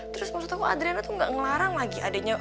terus maksud aku adriana tuh gak ngelarang lagi adiknya